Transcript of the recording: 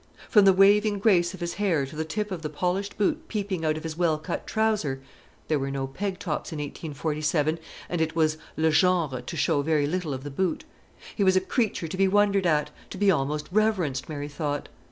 From the waving grace of his hair to the tip of the polished boot peeping out of his well cut trouser (there were no pegtops in 1847, and it was le genre to show very little of the boot), he was a creature to be wondered at, to be almost reverenced, Mary thought.